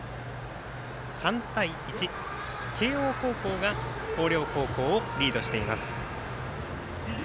３対１、慶応高校が広陵高校をリードしています。